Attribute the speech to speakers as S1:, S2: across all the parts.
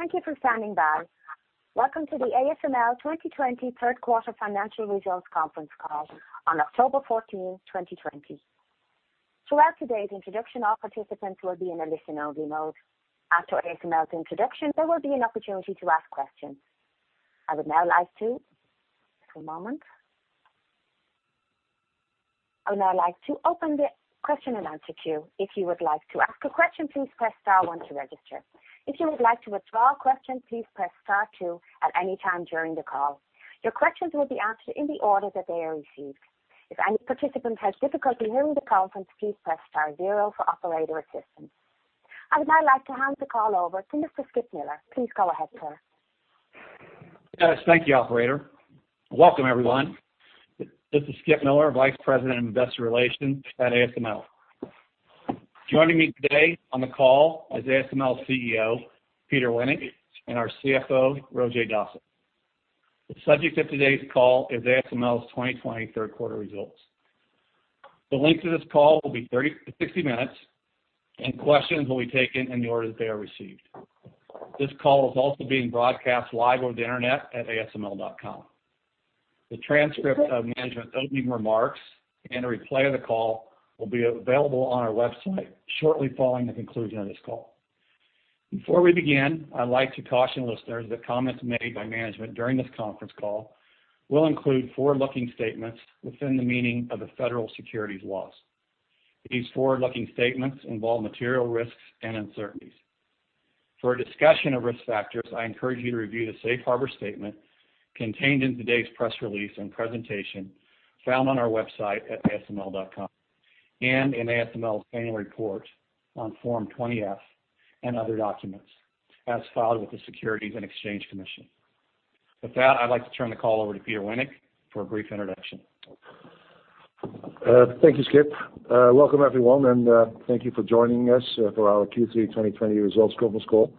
S1: Thank you for standing by. Welcome to the ASML 2020 third quarter financial results conference call on October 14th, 2020. Throughout today's introduction, all participants will be in a listen-only mode. After ASML's introduction, there will be an opportunity to ask questions. I would now like to, hand the call over to Mr. Skip Miller. Please go ahead, sir.
S2: Yes, thank you, operator. Welcome, everyone. This is Skip Miller, Vice President of Investor Relations at ASML. Joining me today on the call is ASML CEO, Peter Wennink, and our CFO, Roger Dassen. The subject of today's call is ASML's 2020 third quarter results. The length of this call will be 30 to 60 minutes. Questions will be taken in the order that they are received. This call is also being broadcast live over the internet at asml.com. The transcript of management opening remarks and a replay of the call will be available on our website shortly following the conclusion of this call. Before we begin, I'd like to caution listeners that comments made by management during this conference call will include forward-looking statements within the meaning of the federal securities laws. These forward-looking statements involve material risks and uncertainties. For a discussion of risk factors, I encourage you to review the safe harbor statement contained in today's press release and presentation found on our website at asml.com, and in ASML's annual report on Form 20-F and other documents as filed with the Securities and Exchange Commission. With that, I'd like to turn the call over to Peter Wennink for a brief introduction.
S3: Thank you, Skip. Welcome everyone, and thank you for joining us for our Q3 2020 results conference call.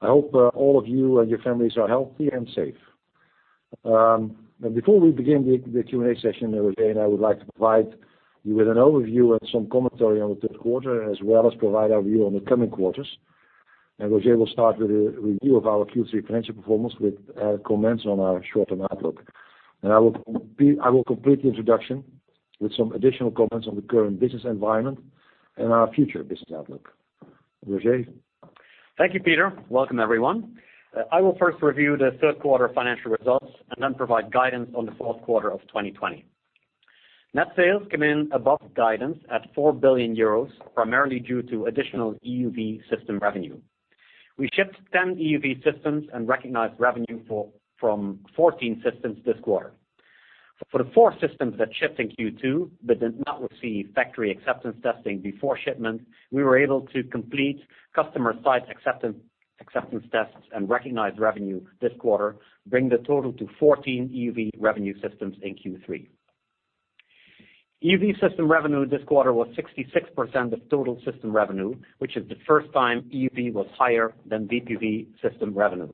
S3: I hope all of you and your families are healthy and safe. Before we begin the Q&A session, Roger and I would like to provide you with an overview and some commentary on the third quarter, as well as provide our view on the coming quarters. Roger will start with a review of our Q3 financial performance with comments on our short-term outlook. I will complete the introduction with some additional comments on the current business environment and our future business outlook. Roger.
S4: Thank you, Peter. Welcome, everyone. I will first review the third quarter financial results and then provide guidance on the fourth quarter of 2020. Net sales came in above guidance at 4 billion euros, primarily due to additional EUV system revenue. We shipped 10 EUV systems and recognized revenue from 14 systems this quarter. For the four systems that shipped in Q2 but did not receive Factory Acceptance Test before shipment, we were able to complete customer site acceptance tests and recognized revenue this quarter, bringing the total to 14 EUV revenue systems in Q3. EUV system revenue this quarter was 66% of total system revenue, which is the first time EUV was higher than DUV system revenue.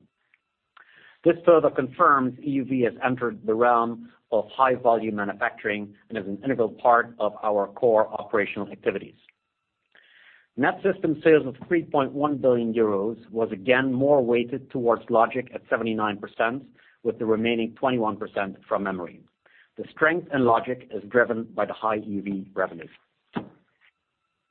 S4: This further confirms EUV has entered the realm of high volume manufacturing and is an integral part of our core operational activities. Net system sales of 3.1 billion euros was again more weighted towards logic at 79%, with the remaining 21% from memory. The strength in logic is driven by the high EUV revenue.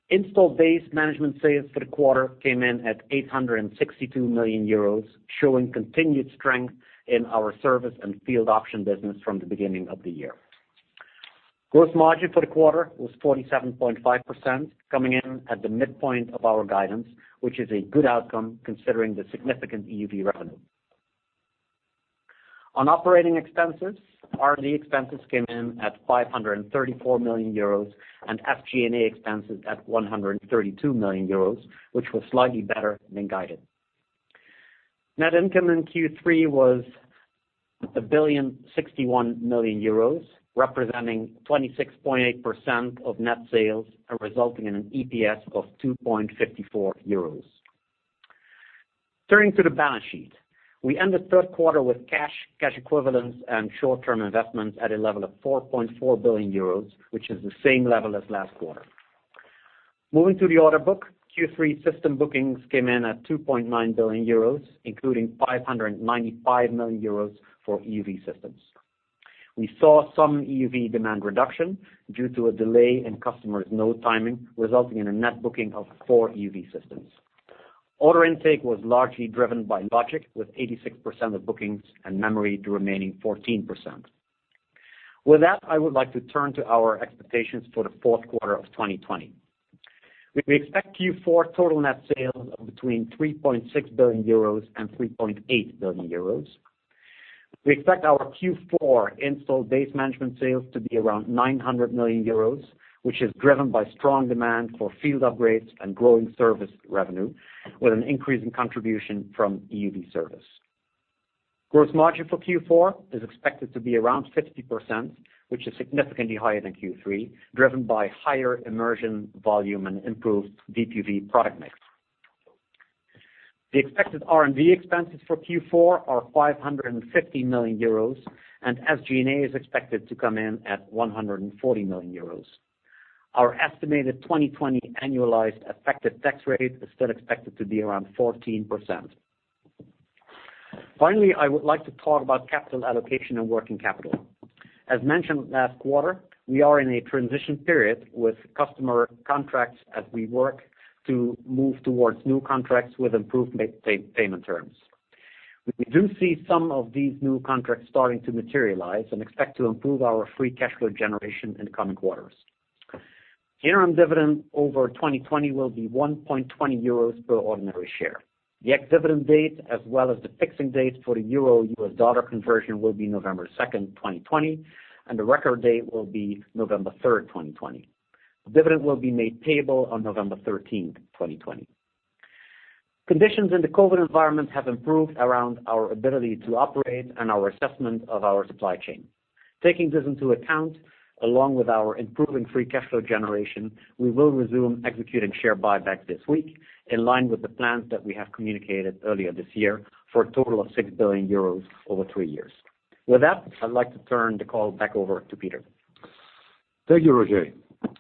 S4: Installed base management sales for the quarter came in at 862 million euros, showing continued strength in our service and field option business from the beginning of the year. Gross margin for the quarter was 47.5%, coming in at the midpoint of our guidance, which is a good outcome considering the significant EUV revenue. On operating expenses, R&D expenses came in at 534 million euros and SG&A expenses at 132 million euros, which was slightly better than guided. Net income in Q3 was a 1,061 million euros, representing 26.8% of net sales and resulting in an EPS of 2.54 euros. Turning to the balance sheet. We end the third quarter with cash equivalents, and short-term investments at a level of 4.4 billion euros, which is the same level as last quarter. Moving to the order book, Q3 system bookings came in at 2.9 billion euros, including 595 million euros for EUV systems. We saw some EUV demand reduction due to a delay in customers node timing, resulting in a net booking of four EUV systems. Order intake was largely driven by logic, with 86% of bookings and memory the remaining 14%. With that, I would like to turn to our expectations for the fourth quarter of 2020. We expect Q4 total net sales of between 3.6 billion euros and 3.8 billion euros. We expect our Q4 installed base management sales to be around 900 million euros, which is driven by strong demand for field upgrades and growing service revenue, with an increase in contribution from EUV service. Gross margin for Q4 is expected to be around 50%, which is significantly higher than Q3, driven by higher immersion volume and improved DUV product mix. The expected R&D expenses for Q4 are 550 million euros, and SG&A is expected to come in at 140 million euros. Our estimated 2020 annualized effective tax rate is still expected to be around 14%. I would like to talk about capital allocation and working capital. As mentioned last quarter, we are in a transition period with customer contracts as we work to move towards new contracts with improved payment terms. We do see some of these new contracts starting to materialize and expect to improve our free cash flow generation in the coming quarters. Interim dividend over 2020 will be 1.20 euros per ordinary share. The ex-dividend date, as well as the fixing date for the euro-U.S. dollar conversion, will be November 2nd, 2020, and the record date will be November 3rd, 2020. The dividend will be made payable on November 13th, 2020. Conditions in the COVID environment have improved around our ability to operate and our assessment of our supply chain. Taking this into account, along with our improving free cash flow generation, we will resume executing share buyback this week, in line with the plans that we have communicated earlier this year, for a total of 6 billion euros over three years. With that, I'd like to turn the call back over to Peter.
S3: Thank you, Roger.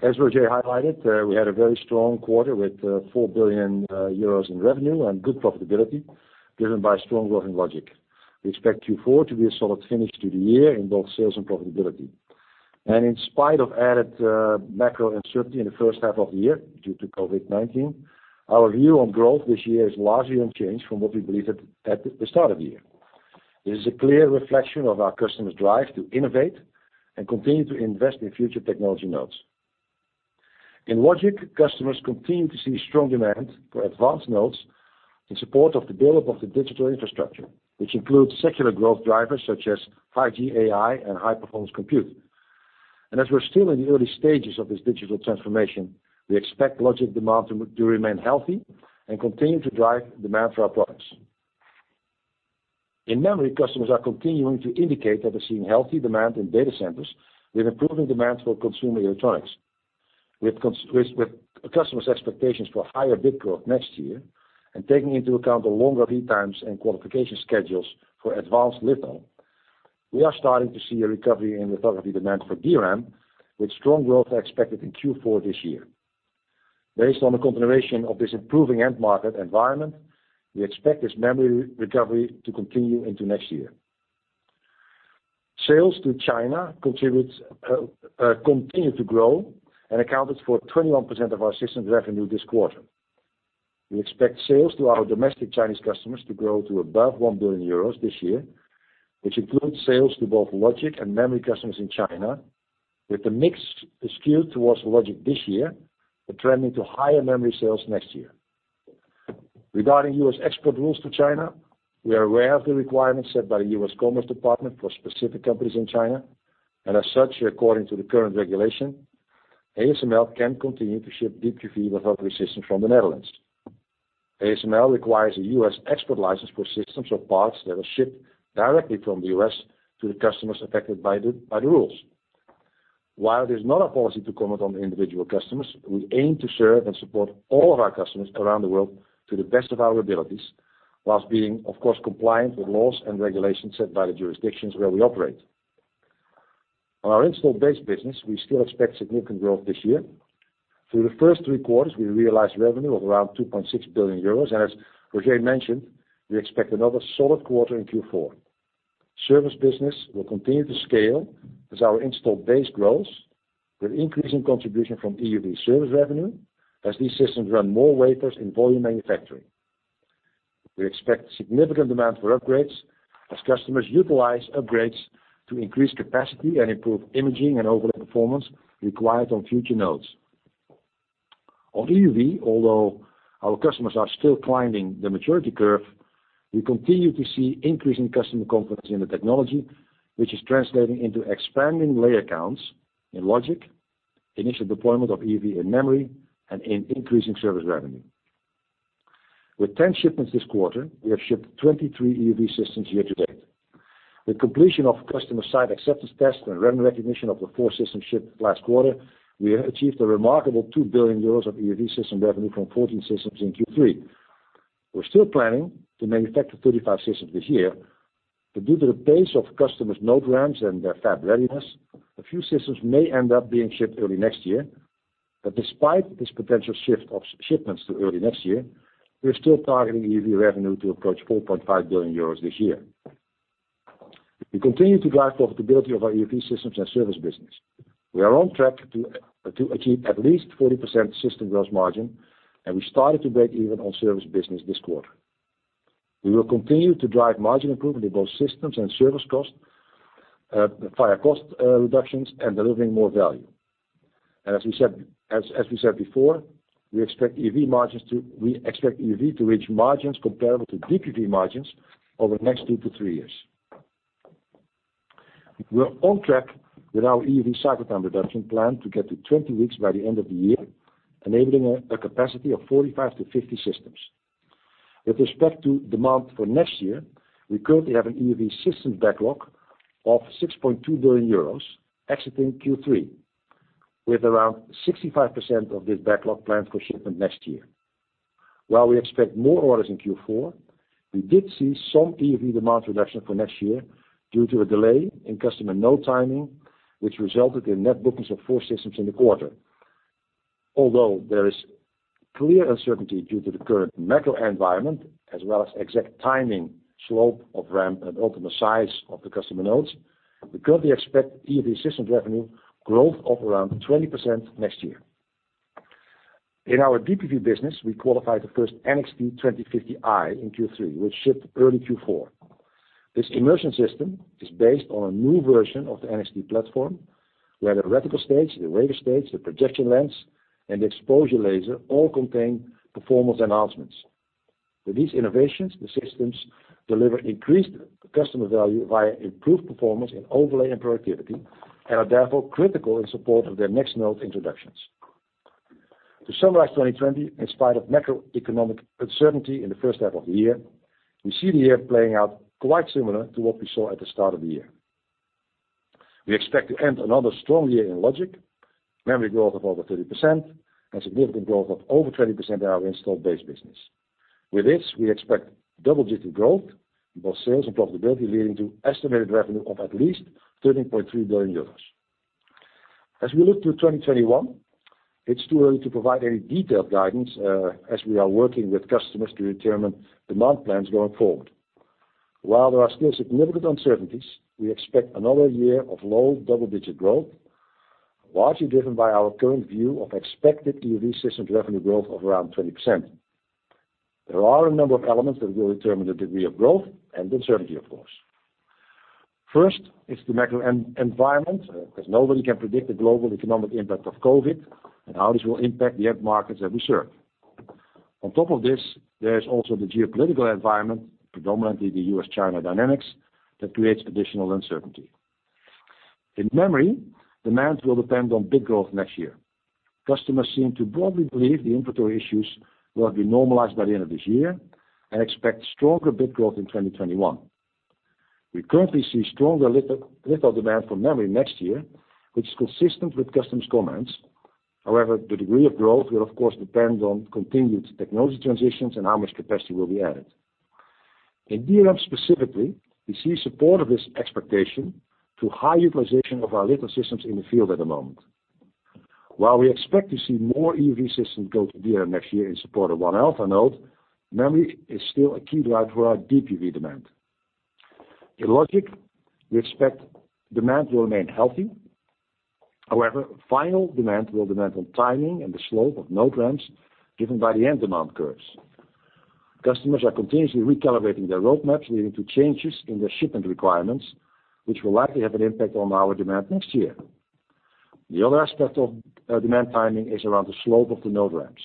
S3: As Roger highlighted, we had a very strong quarter with 4 billion euros in revenue and good profitability driven by strong growth in logic. We expect Q4 to be a solid finish to the year in both sales and profitability. In spite of added macro uncertainty in the first half of the year due to COVID-19, our view on growth this year is largely unchanged from what we believed at the start of the year. This is a clear reflection of our customers' drive to innovate and continue to invest in future technology nodes. In logic, customers continue to see strong demand for advanced nodes in support of the build-up of the digital infrastructure, which includes secular growth drivers such as 5G, AI, and high-performance compute. As we're still in the early stages of this digital transformation, we expect logic demand to remain healthy and continue to drive demand for our products. In memory, customers are continuing to indicate that they're seeing healthy demand in data centers with improving demand for consumer electronics. With customers' expectations for higher bit growth next year, and taking into account the longer lead times and qualification schedules for advanced litho, we are starting to see a recovery in lithography demand for DRAM, with strong growth expected in Q4 this year. Based on the continuation of this improving end-market environment, we expect this memory recovery to continue into next year. Sales to China continue to grow and accounted for 21% of our systems revenue this quarter. We expect sales to our domestic Chinese customers to grow to above 1 billion euros this year, which includes sales to both logic and memory customers in China, with the mix skewed towards logic this year, but trending to higher memory sales next year. Regarding U.S. export rules to China, we are aware of the requirements set by the U.S. Commerce Department for specific companies in China. As such, according to the current regulation, ASML can continue to ship Deep UV without resistance from the Netherlands. ASML requires a U.S. export license for systems or parts that are shipped directly from the U.S. to the customers affected by the rules. While it is not our policy to comment on individual customers, we aim to serve and support all of our customers around the world to the best of our abilities while being, of course, compliant with laws and regulations set by the jurisdictions where we operate. On our installed base business, we still expect significant growth this year. Through the first three quarters, we realized revenue of around 2.6 billion euros, and as Roger mentioned, we expect another solid quarter in Q4. Service business will continue to scale as our installed base grows, with increasing contribution from EUV service revenue as these systems run more wafers in volume manufacturing. We expect significant demand for upgrades as customers utilize upgrades to increase capacity and improve imaging and overall performance required on future nodes. On EUV, although our customers are still climbing the maturity curve, we continue to see increasing customer confidence in the technology, which is translating into expanding layer counts in logic, initial deployment of EUV in memory, and in increasing service revenue. With 10 shipments this quarter, we have shipped 23 EUV systems year to date. With completion of customer site acceptance tests and revenue recognition of the four systems shipped last quarter, we have achieved a remarkable 2 billion euros of EUV system revenue from 14 systems in Q3. We are still planning to manufacture 35 systems this year, Due to the pace of customers' node ramps and their fab readiness, a few systems may end up being shipped early next year. Despite this potential shift of shipments to early next year, we are still targeting EUV revenue to approach 4.5 billion euros this year. We continue to drive profitability of our EUV systems and service business. We are on track to achieve at least 40% system gross margin, and we started to break even on service business this quarter. We will continue to drive margin improvement in both systems and service cost, via cost reductions and delivering more value. As we said before, we expect EUV to reach margins comparable to Deep UV margins over the next two to three years. We are on track with our EUV cycle time reduction plan to get to 20 weeks by the end of the year, enabling a capacity of 45 to 50 systems. With respect to demand for next year, we currently have an EUV systems backlog of 6.2 billion EUROs exiting Q3, with around 65% of this backlog planned for shipment next year. While we expect more orders in Q4, we did see some EUV demand reduction for next year due to a delay in customer node timing, which resulted in net bookings of four systems in the quarter. Although there is clear uncertainty due to the current macro environment as well as exact timing, slope of ramp, and ultimate size of the customer nodes, we currently expect EUV systems revenue growth of around 20% next year. In our DUV business, we qualified the first NXT:2050i in Q3, which shipped early Q4. This immersion system is based on a new version of the NXT platform, where the reticle stage, the wafer stage, the projection lens, and the exposure laser all contain performance enhancements. With these innovations, the systems deliver increased customer value via improved performance in overlay and productivity, are therefore critical in support of their next node introductions. To summarize 2020, in spite of macroeconomic uncertainty in the first half of the year, we see the year playing out quite similar to what we saw at the start of the year. We expect to end another strong year in logic, memory growth of over 30%, and significant growth of over 20% in our installed base business. With this, we expect double-digit growth in both sales and profitability, leading to estimated revenue of at least 13.3 billion euros. As we look to 2021, it's too early to provide any detailed guidance, as we are working with customers to determine demand plans going forward. While there are still significant uncertainties, we expect another year of low double-digit growth, largely driven by our current view of expected EUV systems revenue growth of around 20%. There are a number of elements that will determine the degree of growth and the uncertainty, of course. First is the macro environment, as nobody can predict the global economic impact of COVID and how this will impact the end markets that we serve. On top of this, there is also the geopolitical environment, predominantly the U.S.-China dynamics, that creates additional uncertainty. In memory, demand will depend on bit growth next year. Customers seem to broadly believe the inventory issues will have been normalized by the end of this year and expect stronger bit growth in 2021. We currently see stronger litho demand for memory next year, which is consistent with customers' comments. The degree of growth will of course depend on continued technology transitions and how much capacity will be added. In DRAM specifically, we see support of this expectation through high utilization of our litho systems in the field at the moment. While we expect to see more EUV systems go to DRAM next year in support of 1-alpha node, memory is still a key drive for our DUV demand. In logic, we expect demand will remain healthy. However, final demand will depend on timing and the slope of node ramps given by the end demand curves. Customers are continuously recalibrating their roadmaps, leading to changes in their shipment requirements, which will likely have an impact on our demand next year. The other aspect of demand timing is around the slope of the node ramps,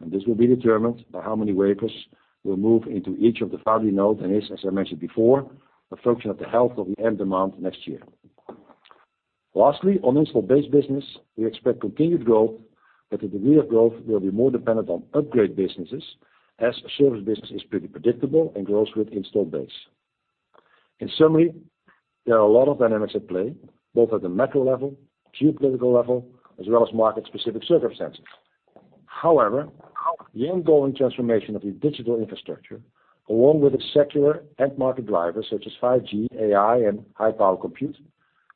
S3: and this will be determined by how many wafers will move into each of the fab node and is, as I mentioned before, a function of the health of the end demand next year. Lastly, on installed base business, we expect continued growth, but the degree of growth will be more dependent on upgrade businesses as service business is pretty predictable and grows with installed base. In summary, there are a lot of dynamics at play, both at the macro level, geopolitical level, as well as market-specific circumstances. However, the ongoing transformation of the digital infrastructure, along with its secular end market drivers such as 5G, AI, and high-performance compute,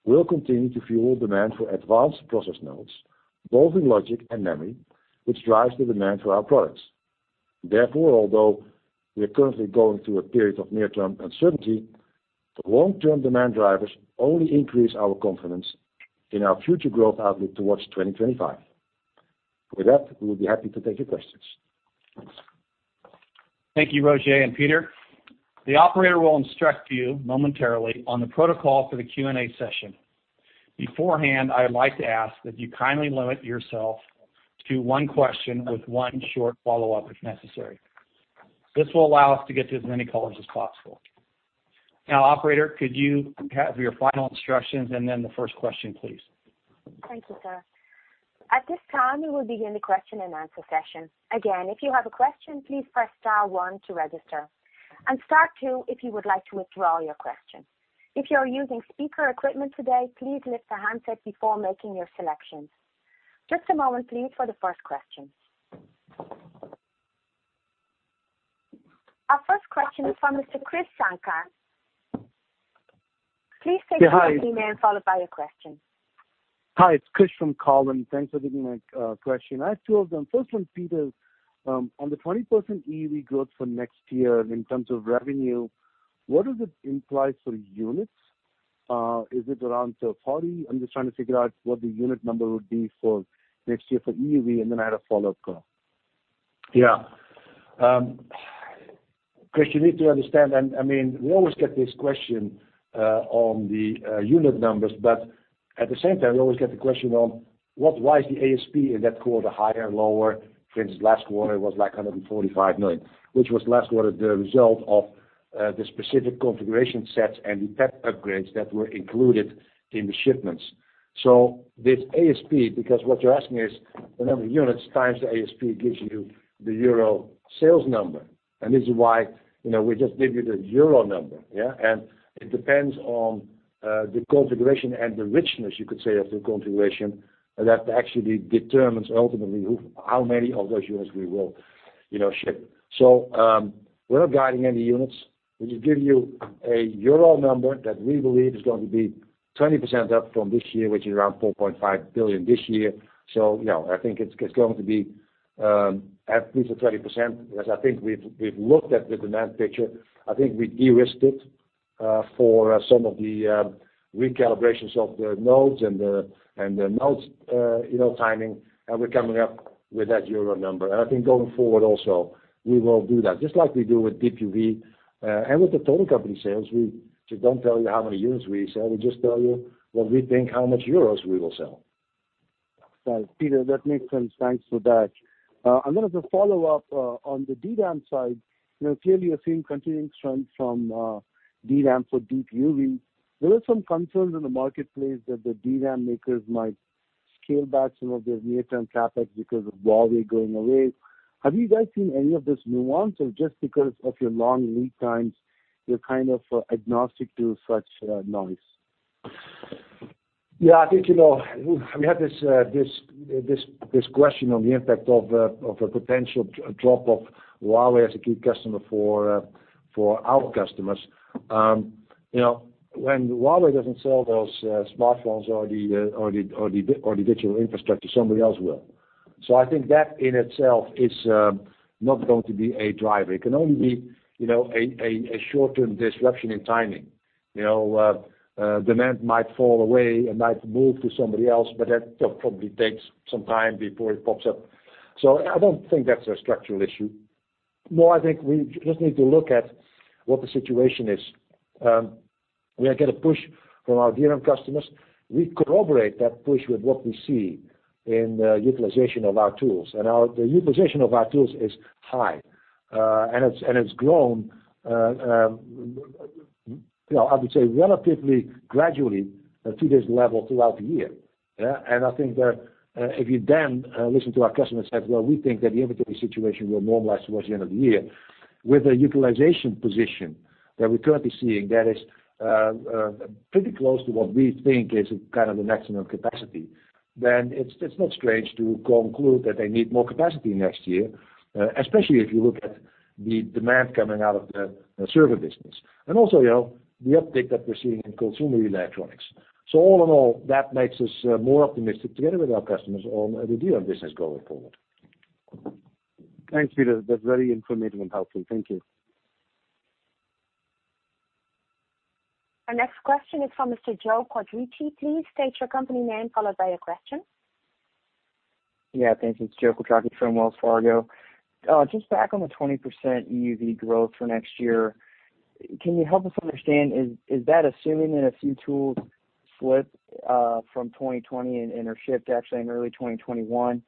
S3: will continue to fuel demand for advanced process nodes, both in logic and memory, which drives the demand for our products. Therefore, although we are currently going through a period of near-term uncertainty, the long-term demand drivers only increase our confidence in our future growth outlook towards 2025. With that, we will be happy to take your questions. Thanks.
S2: Thank you, Roger and Peter. The operator will instruct you momentarily on the protocol for the Q&A session. Beforehand, I would like to ask that you kindly limit yourself to one question with one short follow-up if necessary. This will allow us to get to as many callers as possible. Operator, could you have your final instructions and then the first question, please?
S1: Thank you, sir. At this time, we will begin the question-and-answer session. Again, if you have a question, please press star one to register, and star two if you would like to withdraw your question. If you are using speaker equipment today, please lift the handset before making your selections. Just a moment please for the first question. Our first question is from Mr. Krish Sankar. Please state your
S3: Yeah, hi.
S1: name, followed by your question.
S5: Hi, it's Krish from Cowen. Thanks for taking my question. I have two of them. First one, Peter. On the 20% EUV growth for next year in terms of revenue, what does it imply for units? Is it around 40? I'm just trying to figure out what the unit number would be for next year for EUV, and then I had a follow-up.
S3: Yeah. Krish, you need to understand, I mean, we always get this question on the unit numbers, but at the same time, we always get the question on why is the ASP in that quarter higher or lower since last quarter was like 145 million, which was last quarter the result of the specific configuration sets and the tech upgrades that were included in the shipments. This ASP, because what you're asking is the number of units times the ASP gives you the EUR sales number. This is why we just give you the EUR number. It depends on the configuration and the richness, you could say, of the configuration that actually determines ultimately how many of those units we will ship. We're not guiding any units. We just give you a EUR number that we believe is going to be 20% up from this year, which is around 4.5 billion this year. I think it's going to be at least at 30%, because I think we've looked at the demand picture. I think we de-risked it for some of the recalibrations of the nodes and the nodes timing, and we're coming up with that EUR number. I think going forward also, we will do that. Just like we do with DUV, and with the total company sales, we just don't tell you how many units we sell. We just tell you what we think how much EUR we will sell.
S5: Right, Peter, that makes sense. Thanks for that. I wanted to follow up on the DRAM side. Clearly you're seeing continuing strength from DRAM for DUV. There are some concerns in the marketplace that the DRAM makers might scale back some of their near-term CapEx because of Huawei going away. Have you guys seen any of this nuance or just because of your long lead times, you're kind of agnostic to such noise?
S3: Yeah, I think, we have this question on the impact of a potential drop of Huawei as a key customer for our customers. When Huawei doesn't sell those smartphones or the digital infrastructure, somebody else will. I think that in itself is not going to be a driver. It can only be a short-term disruption in timing. Demand might fall away and might move to somebody else, but that probably takes some time before it pops up. I don't think that's a structural issue. More, I think we just need to look at what the situation is. We get a push from our DRAM customers. We corroborate that push with what we see in the utilization of our tools, and the utilization of our tools is high. It's grown, I would say, relatively gradually to this level throughout the year. I think that if you listen to our customers say, "Well, we think that the inventory situation will normalize towards the end of the year." With the utilization position that we're currently seeing, that is pretty close to what we think is kind of the maximum capacity, it's not strange to conclude that they need more capacity next year, especially if you look at the demand coming out of the server business. Also the uptake that we're seeing in consumer electronics. All in all, that makes us more optimistic together with our customers on the DRAM business going forward.
S5: Thanks, Peter. That's very informative and helpful. Thank you.
S1: Our next question is from Mr. Joe Quattrocchi. Please state your company name, followed by your question.
S6: Yeah, thanks. It's Joe Quattrocchi from Wells Fargo. Just back on the 20% EUV growth for next year. Can you help us understand, is that assuming that a few tools slip from 2020 and are shipped actually in early 2021?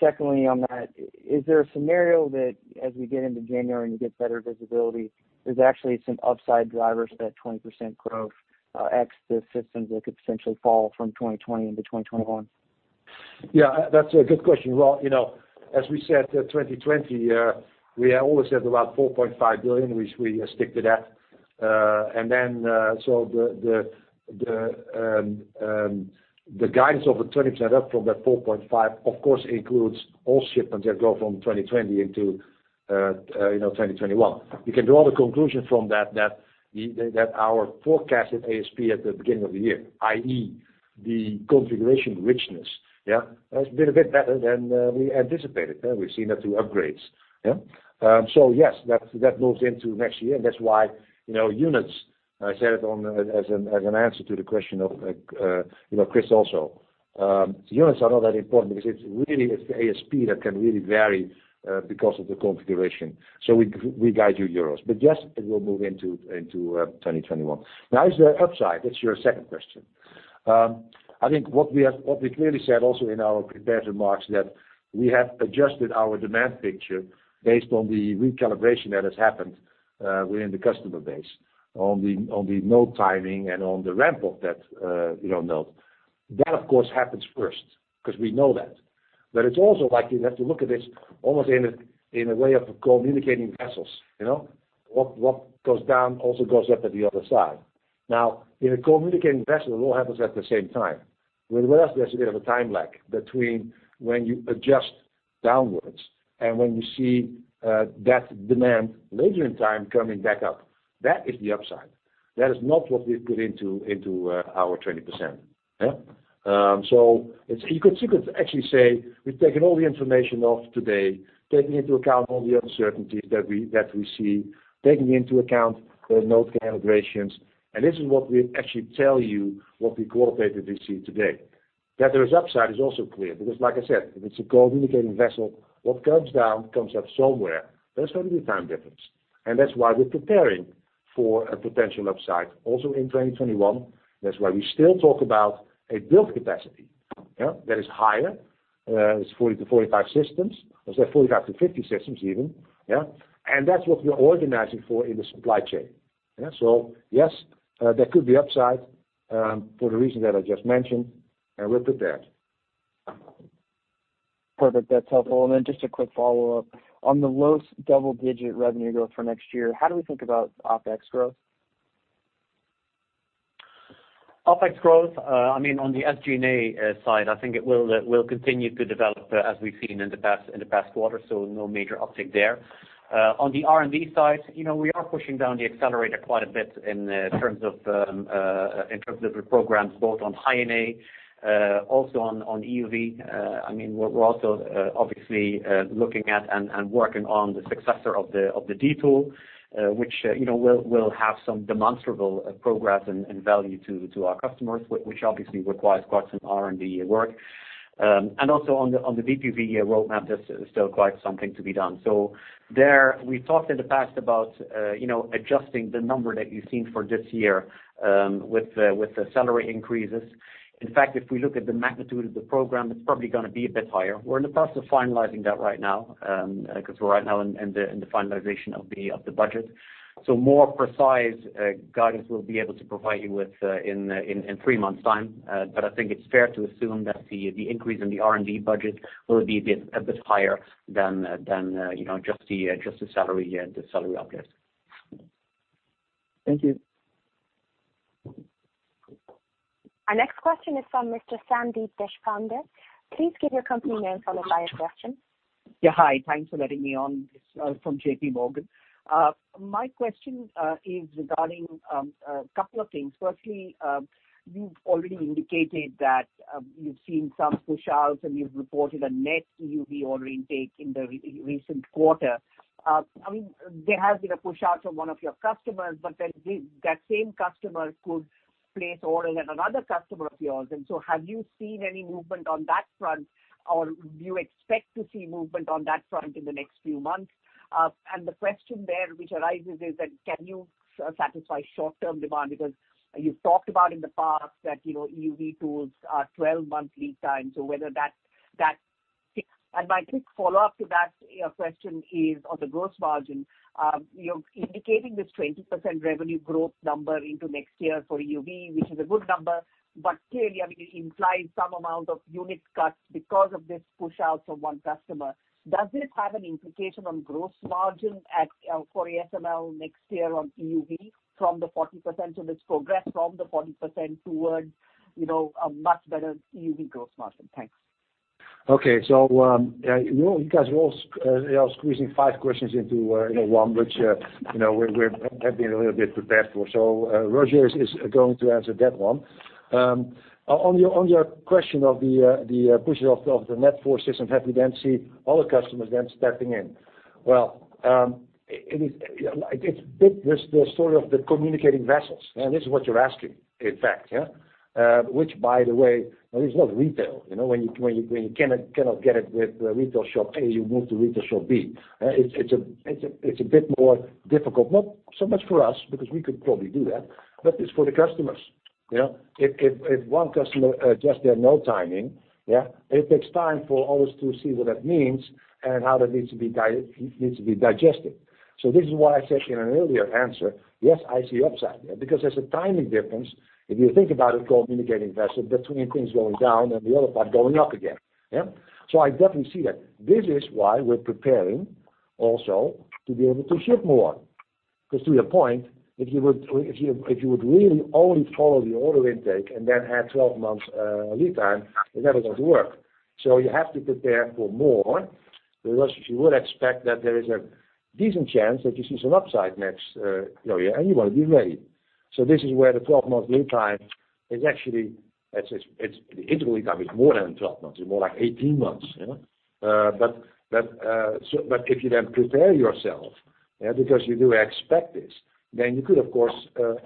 S6: Secondly on that, is there a scenario that as we get into January and you get better visibility, there's actually some upside drivers to that 20% growth, X the systems that could potentially fall from 2020 into 2021?
S3: Yeah, that's a good question. As we said, 2020, we always said about 4.5 billion, which we stick to that. The guidance of the 20% up from that 4.5 billion, of course, includes all shipments that go from 2020 into 2021. You can draw the conclusion from that our forecasted ASP at the beginning of the year, i.e., the configuration richness, has been a bit better than we anticipated. We've seen that through upgrades. Yes, that moves into next year, and that's why units, I said as an answer to the question of Krish also. Units are not that important because it's really the ASP that can really vary because of the configuration. We guide you euros. Yes, it will move into 2021. Now, is there upside? That's your second question. I think what we clearly said also in our prepared remarks, that we have adjusted our demand picture based on the recalibration that has happened within the customer base on the node timing and on the ramp of that node. It's also like you have to look at this almost in a way of communicating vessels. What goes down also goes up at the other side. In a communicating vessel, it all happens at the same time. With us, there's a bit of a time lag between when you adjust downwards and when you see that demand later in time coming back up. That is the upside. That is not what we put into our 20%. You could actually say we've taken all the information of today, taken into account all the uncertainties that we see, taken into account the node calibrations, and this is what we actually tell you what we corroborated we see today. That there is upside is also clear because like I said, if it's a communicating vessel, what comes down comes up somewhere. There's going to be time difference. That's why we're preparing for a potential upside also in 2021. That's why we still talk about a build capacity that is higher, it's 40 to 45 systems. Let's say 45 to 50 systems even. That's what we're organizing for in the supply chain. Yes, there could be upside, for the reason that I just mentioned, and we'll prepare.
S6: Perfect. That's helpful. Just a quick follow-up. On the lowest double-digit revenue growth for next year, how do we think about OpEx growth?
S4: OpEx growth, on the SG&A side, I think it will continue to develop as we've seen in the past quarter, so no major uptick there. On the R&D side, we are pushing down the accelerator quite a bit in terms of the programs, both on High-NA, also on EUV. We're also obviously looking at and working on the successor of the D tool, which will have some demonstrable progress and value to our customers, which obviously requires quite some R&D work. Also on the DUV roadmap, there's still quite something to be done. There, we talked in the past about adjusting the number that you've seen for this year with the salary increases. In fact, if we look at the magnitude of the program, it's probably going to be a bit higher. We're in the process of finalizing that right now, because we're right now in the finalization of the budget. More precise guidance we'll be able to provide you with in three months' time. I think it's fair to assume that the increase in the R&D budget will be a bit higher than just the salary uplift.
S6: Thank you.
S1: Our next question is from Mr. Sandeep Deshpande. Please give your company name followed by your question.
S7: Yeah. Hi, thanks for letting me on. This is Arun from JP Morgan. My question is regarding a couple of things. Firstly, you've already indicated that you've seen some push-outs and you've reported a net EUV order intake in the recent quarter. There has been a push out from one of your customers, but then that same customer could place orders at another customer of yours. Have you seen any movement on that front, or do you expect to see movement on that front in the next few months? The question there which arises is that, can you satisfy short-term demand? Because you've talked about in the past that EUV tools are 12 months lead time. My quick follow-up to that question is on the gross margin. You're indicating this 20% revenue growth number into next year for EUV, which is a good number, but clearly, it implies some amount of unit cuts because of this push out from one customer. Does this have an implication on gross margin for ASML next year on EUV from the 40% of its progress towards a much better EUV gross margin? Thanks.
S3: Okay. You guys were all squeezing five questions into one, which we have been a little bit prepared for. Roger is going to answer that one. On your question of the push of the net forces, have you then seen other customers then stepping in? Well, it's a bit the story of the communicating vessels. This is what you're asking, in fact, yeah? By the way, this is not retail. When you cannot get it with retail shop A, you move to retail shop B. It's a bit more difficult. Not so much for us, because we could probably do that, but it's for the customers. If one customer adjusts their no timing, it takes time for others to see what that means and how that needs to be digested. This is why I said in an earlier answer, yes, I see upside. Because there's a timing difference, if you think about a communicating vessel between things going down and the other part going up again. I definitely see that. This is why we're preparing also to be able to ship more. To your point, if you would really only follow the order intake and then have 12 months lead time, it's never going to work. You have to prepare for more, because you would expect that there is a decent chance that you see some upside next year, and you want to be ready. This is where the 12-month lead time is actually, the integral lead time is more than 12 months. It's more like 18 months. If you then prepare yourself, because you do expect this, then you could, of course,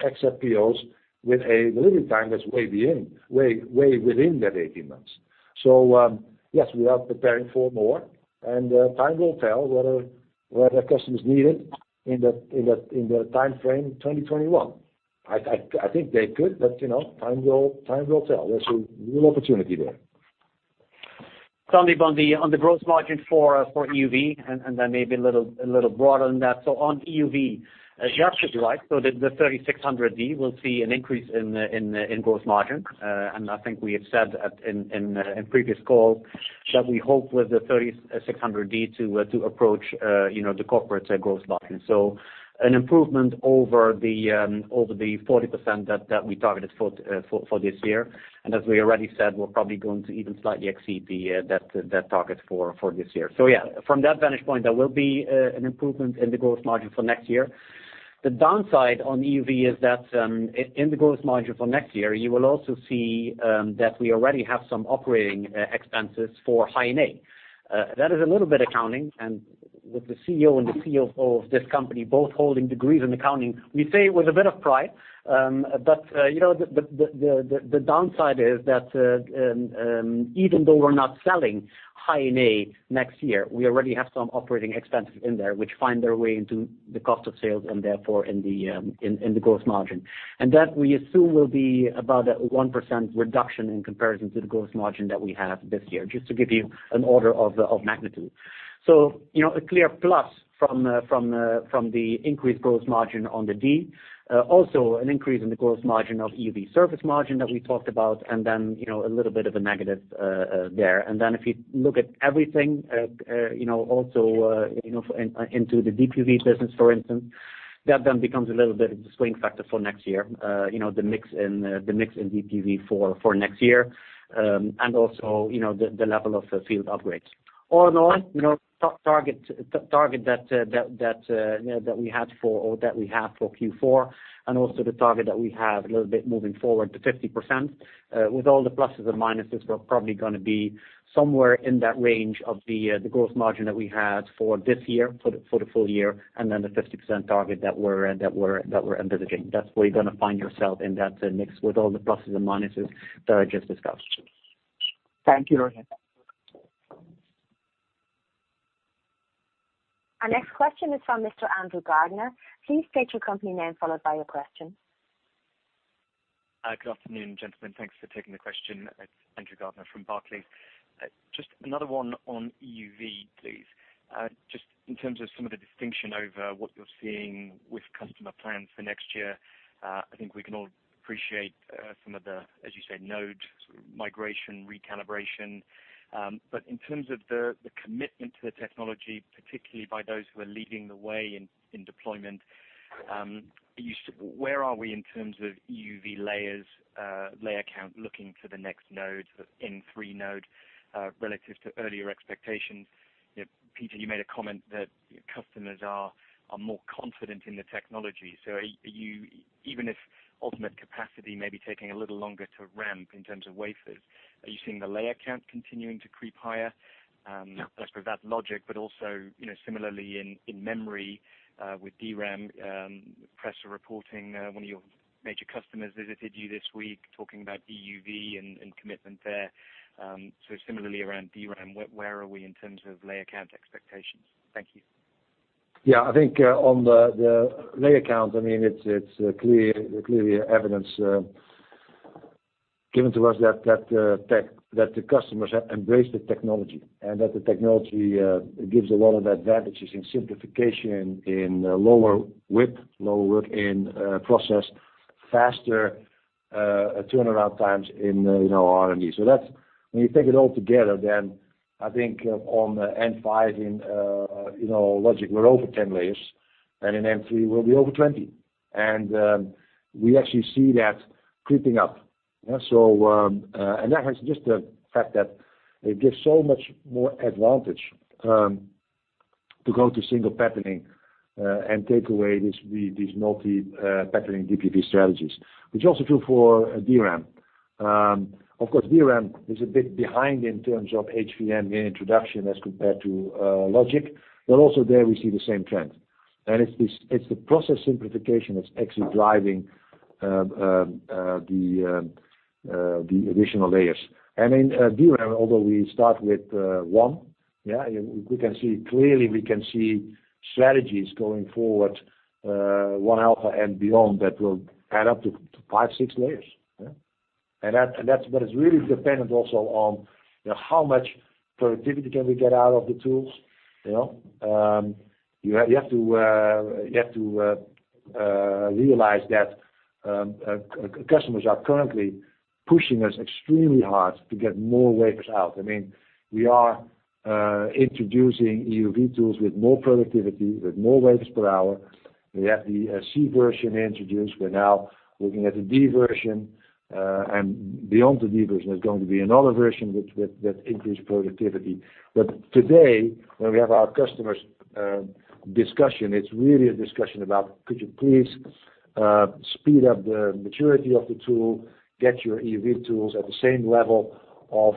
S3: accept POs with a delivery time that's way within that 18 months. Yes, we are preparing for more, and time will tell whether customers need it in the timeframe 2021. I think they could, but time will tell. There's a real opportunity there.
S4: Sandeep, on the gross margin for EUV, maybe a little broader than that. On EUV, you're absolutely right. The NXE:3600D will see an increase in gross margin. I think we have said in previous calls that we hope with the NXE:3600D to approach the corporate gross margin. An improvement over the 40% that we targeted for this year. As we already said, we're probably going to even slightly exceed that target for this year. Yeah, from that vantage point, there will be an improvement in the gross margin for next year. The downside on EUV is that in the gross margin for next year, you will also see that we already have some operating expenses for High-NA. That is a little bit accounting, and with the CEO and the CFO of this company both holding degrees in accounting, we say it with a bit of pride. The downside is that even though we're not selling High-NA next year, we already have some operating expenses in there, which find their way into the cost of sales and therefore in the gross margin. That we assume will be about a 1% reduction in comparison to the gross margin that we have this year, just to give you an order of magnitude. A clear plus from the increased gross margin on the D. Also an increase in the gross margin of EUV service margin that we talked about, and then a little bit of a negative there. If you look at everything, also into the DUV business, for instance, that then becomes a little bit of the swing factor for next year. The mix in DUV for next year, and also the level of field upgrades. All in all, target that we had for Q4 and also the target that we have a little bit moving forward to 50%. With all the pluses and minuses, we're probably going to be somewhere in that range of the gross margin that we had for this year, for the full year, and then the 50% target that we're envisaging. That's where you're going to find yourself in that mix with all the pluses and minuses that I just discussed.
S7: Thank you, Roger.
S1: Our next question is from Mr. Andrew Gardiner. Please state your company name, followed by your question.
S8: Good afternoon, gentlemen. Thanks for taking the question. It's Andrew Gardiner from Barclays. Just another one on EUV, please. Just in terms of some of the distinction over what you're seeing with customer plans for next year, I think we can all appreciate some of the, as you said, node sort of migration, recalibration. In terms of the commitment to the technology, particularly by those who are leading the way in deployment, where are we in terms of EUV layer count looking to the next node, N3 node, relative to earlier expectations? Peter, you made a comment that customers are more confident in the technology. Are you, even if ultimate capacity may be taking a little longer to ramp in terms of wafers, are you seeing the layer count continuing to creep higher?
S3: Yeah.
S8: As per that logic, but also, similarly in memory, with DRAM, press are reporting one of your major customers visited you this week talking about EUV and commitment there. Similarly around DRAM, where are we in terms of layer count expectations? Thank you.
S3: I think, on the layer count, it's clearly evidence given to us that the customers have embraced the technology and that the technology gives a lot of advantages in simplification, in lower with low work in process, faster turnaround times in R&D. When you take it all together, I think on the N5 in Logic, we're over 10 layers, and in N3, we'll be over 20. We actually see that creeping up. That has just the fact that it gives so much more advantage to go to single patterning and take away these multi-patterning DUV strategies. Which also true for DRAM. Of course, DRAM is a bit behind in terms of HVM main introduction as compared to Logic, also there we see the same trend. It's the process simplification that's actually driving the additional layers. In DRAM, although we start with one, clearly we can see strategies going forward, 1-alpha and beyond that will add up to five, six layers. That's what is really dependent also on how much productivity can we get out of the tools. You have to realize that customers are currently pushing us extremely hard to get more wafers out. We are introducing EUV tools with more productivity, with more wafers per hour. We have the C version introduced. We're now looking at the D version, and beyond the D version, there's going to be another version that increase productivity. Today, when we have our customers discussion, it's really a discussion about could you please speed up the maturity of the tool, get your EUV tools at the same level of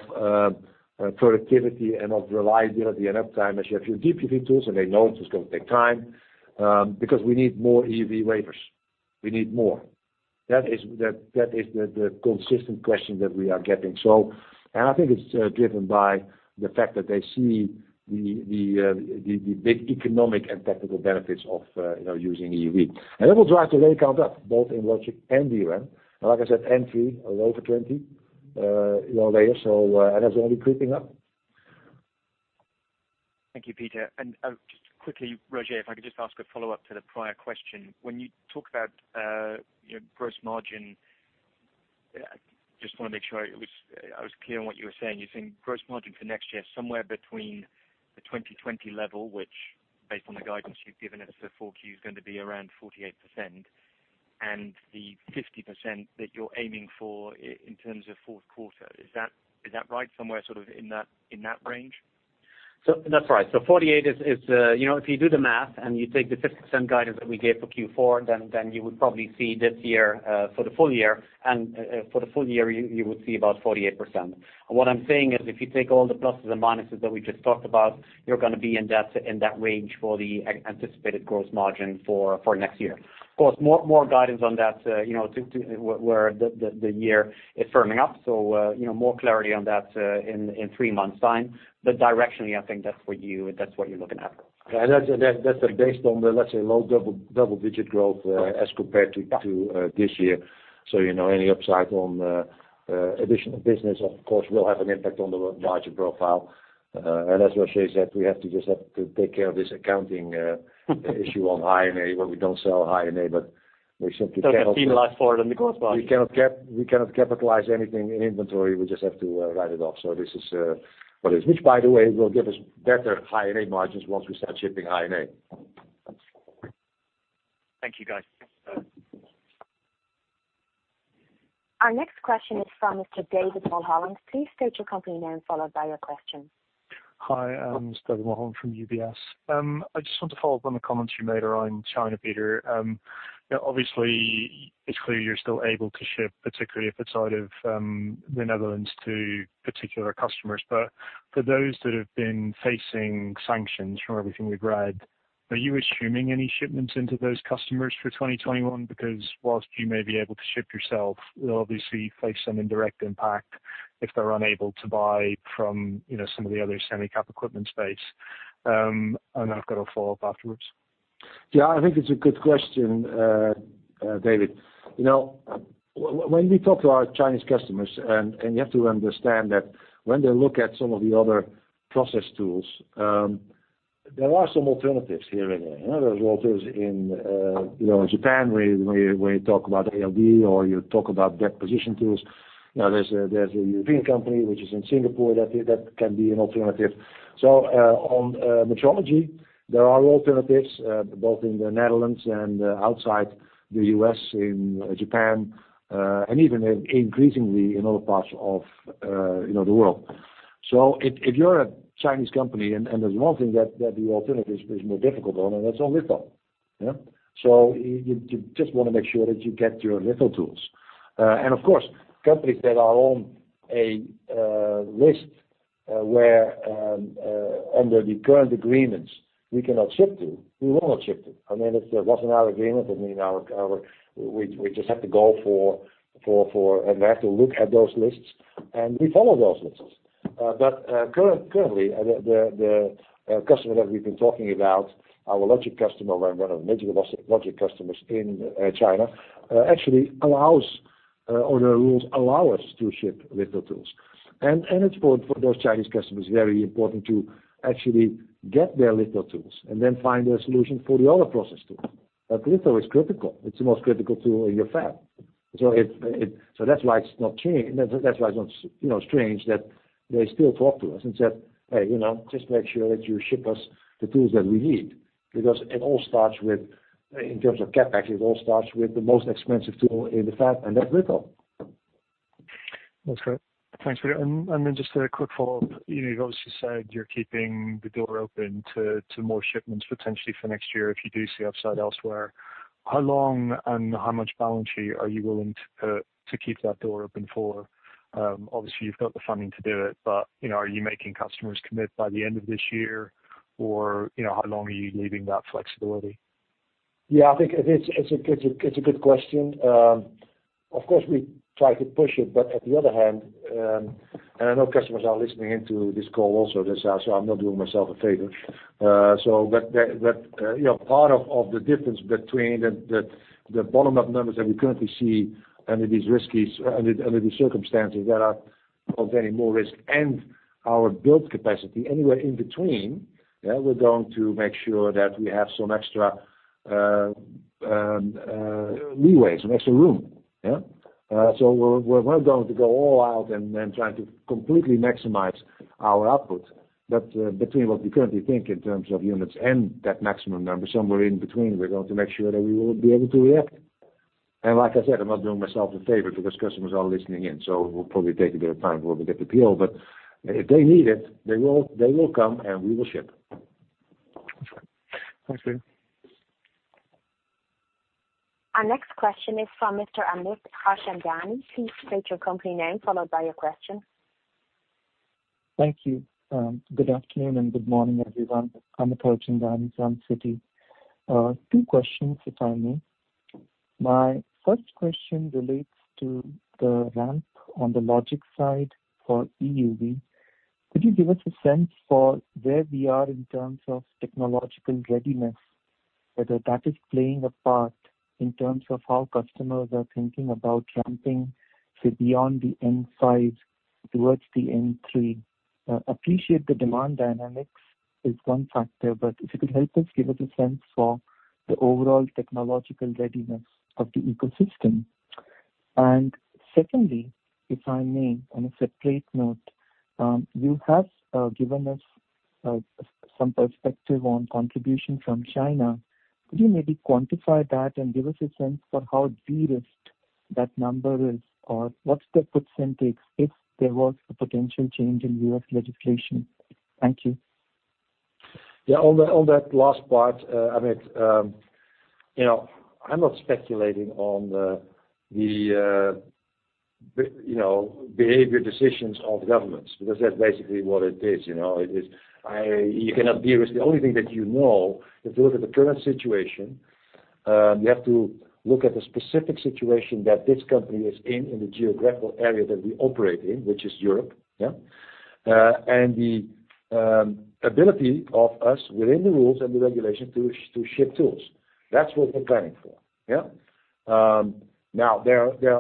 S3: productivity and of reliability and uptime as you have your DUV tools. They know it is going to take time, because we need more EUV wafers. We need more. That is the consistent question that we are getting. I think it's driven by the fact that they see the big economic and technical benefits of using EUV. That will drive the layer count up, both in Logic and DRAM. Like I said, N3 are over 20 layers, and that's going to be creeping up.
S8: Thank you, Peter. Just quickly, Roger, if I could just ask a follow-up to the prior question. When you talk about your gross margin, just want to make sure I was clear on what you were saying. You're saying gross margin for next year, somewhere between the 2020 level, which based on the guidance you've given us for 4Q, is going to be around 48%, and the 50% that you're aiming for in terms of fourth quarter. Is that right? Somewhere sort of in that range?
S4: That's right. 48 is, if you do the math and you take the 50% guidance that we gave for Q4, then you would probably see this year, for the full year, you would see about 48%. What I'm saying is if you take all the pluses and minuses that we just talked about, you're going to be in that range for the anticipated gross margin for next year. Of course, more guidance on that where the year is firming up. More clarity on that in 3 months' time. Directionally, I think that's what you're looking at.
S3: That's based on the, let's say, low double-digit growth as compared to this year.
S4: Yeah.
S3: Any upside on additional business, of course, will have an impact on the larger profile. As Roger said, we just have to take care of this accounting issue on High-NA, where we don't sell High-NA, but we simply cannot-
S8: There's a term life for it in the cost price.
S3: We cannot capitalize anything in inventory. We just have to write it off. This is what it is. Which by the way, will give us better High-NA margins once we start shipping High-NA.
S8: Thank you guys.
S1: Our next question is from Mr. David Mulholland. Please state your company name, followed by your question.
S9: Hi, it's David Mulholland from UBS. I just want to follow up on the comments you made around China, Peter. For those that have been facing sanctions, from everything we've read, are you assuming any shipments into those customers for 2021? Whilst you may be able to ship yourself, you'll obviously face some indirect impact if they're unable to buy from some of the other semi-cap equipment space. I've got a follow-up afterwards.
S3: Yeah, I think it's a good question, David. When we talk to our Chinese customers, and you have to understand that when they look at some of the other process tools, there are some alternatives here and there. There's alternatives in Japan, where you talk about ALD, or you talk about deposition tools. There's a European company, which is in Singapore, that can be an alternative. On metrology, there are alternatives, both in the Netherlands and outside the U.S., in Japan, and even increasingly in other parts of the world. If you're a Chinese company and there's one thing that the alternative is more difficult on, and that's on litho. You just want to make sure that you get your litho tools. Of course, companies that are on a list where, under the current agreements, we cannot ship to, we will not ship to. It wasn't our agreement. We just have to look at those lists, and we follow those lists. Currently, the customer that we've been talking about, our logic customer, one of the major logic customers in China, actually allows, or the rules allow us to ship litho tools. It's, for those Chinese customers, very important to actually get their litho tools and then find a solution for the other process tools. Litho is critical. It's the most critical tool in your fab. That's why it's not strange that they still talk to us and say, "Hey, just make sure that you ship us the tools that we need." It all starts with, in terms of CapEx, it all starts with the most expensive tool in the fab, and that's litho.
S9: That's great. Thanks, Peter. Just a quick follow-up. You've obviously said you're keeping the door open to more shipments potentially for next year if you do see upside elsewhere. How long and how much balance sheet are you willing to keep that door open for? Obviously, you've got the funding to do it, are you making customers commit by the end of this year? How long are you leaving that flexibility?
S3: I think it's a good question. Of course, we try to push it, but on the other hand, and I know customers are listening into this call also, so I'm not doing myself a favor. Part of the difference between the bottom-up numbers that we currently see under these circumstances that are of any more risk and our build capacity, anywhere in between, we're going to make sure that we have some extra leeway, some extra room. We're not going to go all out and trying to completely maximize our output. Between what we currently think in terms of units and that maximum number, somewhere in between, we're going to make sure that we will be able to react. Like I said, I'm not doing myself a favor because customers are listening in, so we'll probably take a bit of time before we get the PO. If they need it, they will come, and we will ship.
S9: That's right. Thanks, Peter.
S1: Our next question is from Mr. Amit Harchandani. Please state your company name, followed by your question.
S10: Thank you. Good afternoon and good morning, everyone. I'm Amit Harchandani from Citi. Two questions, if I may. My first question relates to the ramp on the logic side for EUV. Could you give us a sense for where we are in terms of technological readiness, whether that is playing a part in terms of how customers are thinking about ramping to beyond the N5 towards the N3? I appreciate the demand dynamics is one factor. If you could help us give us a sense for the overall technological readiness of the ecosystem. Secondly, if I may, on a separate note, you have given us some perspective on contribution from China. Could you maybe quantify that and give us a sense for how de-risked that number is? What's the put/takes if there was a potential change in U.S. legislation? Thank you.
S3: Yeah, on that last part, Amit, I'm not speculating on the behavior decisions of governments because that's basically what it is. You cannot de-risk. The only thing that you know, if you look at the current situation, you have to look at the specific situation that this company is in the geographical area that we operate in, which is Europe. The ability of us, within the rules and the regulation, to ship tools. That's what we're planning for. There are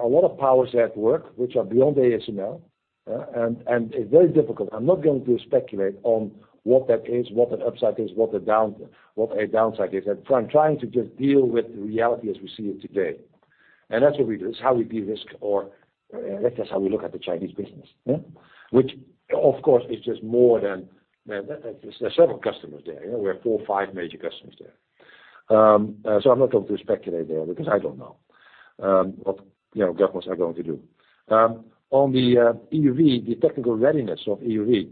S3: a lot of powers at work which are beyond ASML, and it's very difficult. I'm not going to speculate on what that is, what an upside is, what a downside is. I'm trying to just deal with the reality as we see it today. That's what we do. That's how we de-risk, or that's just how we look at the Chinese business. There's several customers there. We have four or five major customers there. I'm not going to speculate there because I don't know what governments are going to do. On the EUV, the technical readiness of EUV.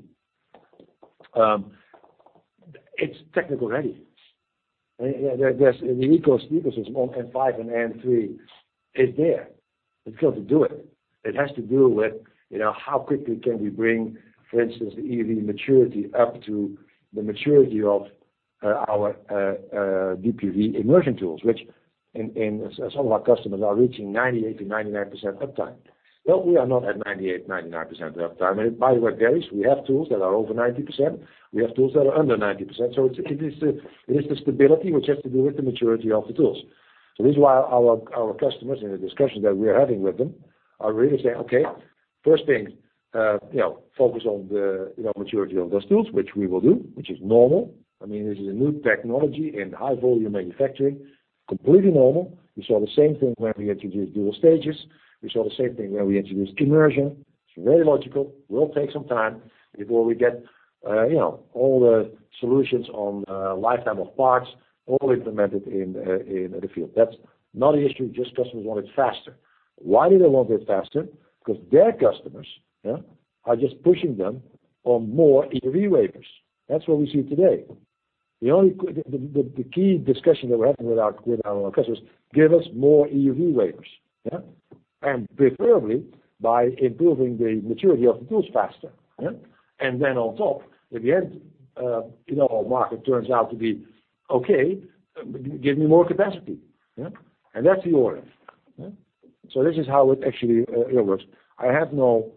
S3: It's technical readiness. The ecosystem on N5 and N3 is there. It's going to do it. It has to do with how quickly can we bring, for instance, the EUV maturity up to the maturity of our DUV immersion tools, which some of our customers are reaching 98%-99% uptime. Well, we are not at 98%, 99% uptime, and it varies. We have tools that are over 90%. We have tools that are under 90%. It is the stability which has to do with the maturity of the tools. This is why our customers in the discussions that we're having with them are really saying, okay, first thing, focus on the maturity of those tools, which we will do, which is normal. This is a new technology in high volume manufacturing, completely normal. We saw the same thing when we introduced dual stages. We saw the same thing when we introduced immersion. It's very logical. It will take some time before we get all the solutions on lifetime of parts all implemented in the field. That's not an issue, just customers want it faster. Why do they want it faster? Their customers are just pushing them on more EUV wafers. That's what we see today. The key discussion that we're having with our customers, give us more EUV wafers. Preferably by improving the maturity of the tools faster. On top, at the end, our market turns out to be okay, give me more capacity. That's the order. This is how it actually works. I have no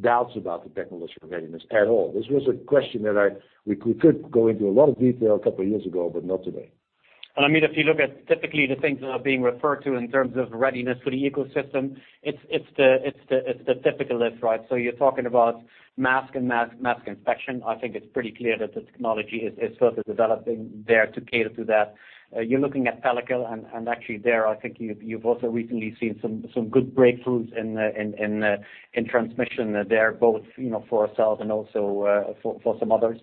S3: doubts about the technological readiness at all. This was a question that we could go into a lot of detail a couple of years ago, but not today.
S4: If you look at typically the things that are being referred to in terms of readiness for the ecosystem, it's the typical lift, right? You're talking about mask and mask inspection. I think it's pretty clear that the technology is further developing there to cater to that. You're looking at pellicle, and actually there, I think you've also recently seen some good breakthroughs in transmission there, both for ourselves and also for some others.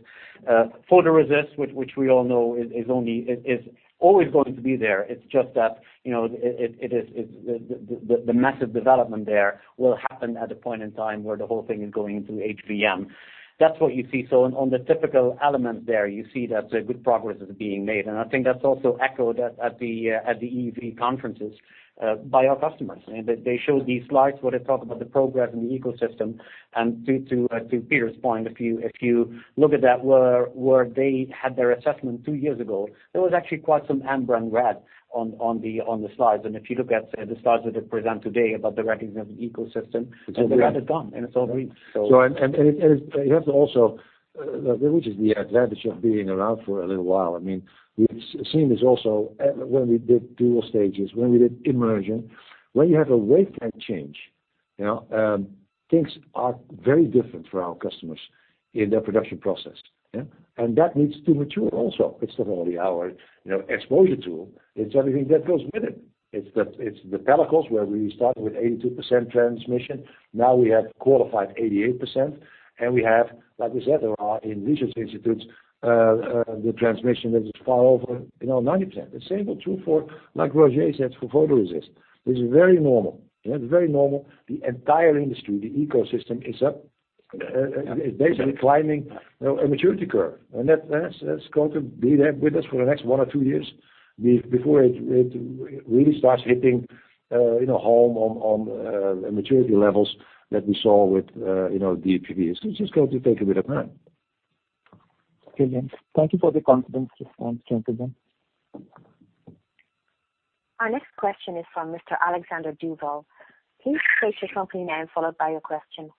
S4: Photoresist, which we all know is always going to be there. It's just that the massive development there will happen at a point in time where the whole thing is going into HVM. That's what you see. On the typical element there, you see that good progress is being made. I think that's also echoed at the EUV conferences by our customers. They showed these slides where they talk about the progress in the ecosystem. To Peter's point, if you look at that, where they had their assessment two years ago, there was actually quite some amber and red on the slides. If you look at the slides that they present today about the recognizing of the ecosystem, the red is gone, and it's all green.
S3: You have to also, which is the advantage of being around for a little while. We've seen this also when we did dual stages, when we did immersion. When you have a wafer change, things are very different for our customers in their production process. That needs to mature also. It's not only our exposure tool, it's everything that goes with it. It's the pellicles, where we started with 82% transmission. Now we have qualified 88%. We have, like we said, there are in research institutes, the transmission that is far over 90%. The same is true for, like Roger said, for photoresist. This is very normal. The entire industry, the ecosystem is up, is basically climbing a maturity curve. That's going to be there with us for the next one or two years before it really starts hitting home on maturity levels that we saw with DUVs. It's just going to take a bit of time.
S10: Brilliant. Thank you for the confidence, gentlemen.
S1: Our next question is from Mr. Alexander Duval. Please state your company name, followed by your question.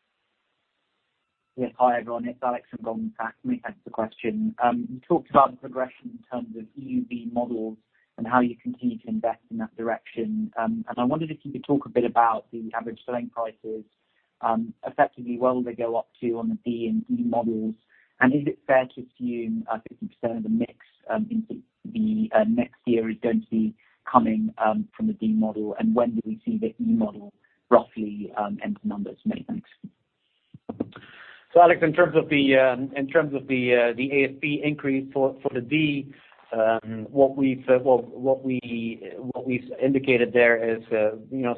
S11: Yes. Hi, everyone. It's Alex from Goldman Sachs. Thanks for the question. You talked about the progression in terms of EUV models and how you continue to invest in that direction. I wondered if you could talk a bit about the average selling prices, effectively, where will they go up to on the D and E models. Is it fair to assume a 50% of the mix into the next year is going to be coming from the D model? When do we see the E model roughly enter numbers maintenance?
S4: Alex, in terms of the ASP increase for the D, what we've indicated there is